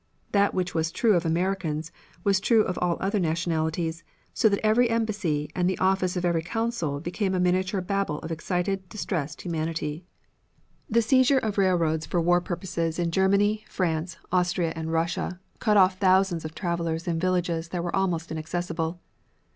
That which was true of Americans was true of all other nationalities, so that every embassy and the office of every consul became a miniature Babel of excited, distressed humanity. The sudden seizure of railroads for war purposes in Germany, France, Austria and Russia, cut off thousands of travelers in villages that were almost inaccessible.